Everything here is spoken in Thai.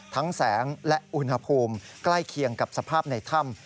แสงและอุณหภูมิใกล้เคียงกับสภาพในถ้ำ